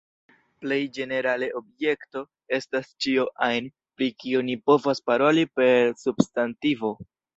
Plej ĝenerale, objekto estas ĉio ajn, pri kio ni povas paroli per substantivo.